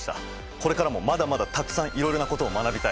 これからもまだまだたくさんいろいろなことを学びたい。